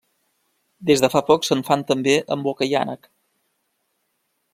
Des de fa poc se'n fan també amb oca i ànec.